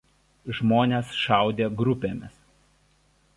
Žmones šaudė grupėmis.